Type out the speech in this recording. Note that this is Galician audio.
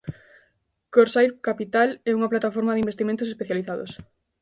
Corsair Capital é unha plataforma de investimentos especializados.